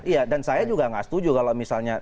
iya dan saya juga nggak setuju kalau misalnya